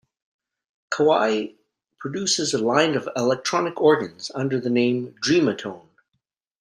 Kawai produces a line of electronic organs under the name "Dreamatone".